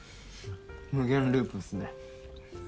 無限ループっすね。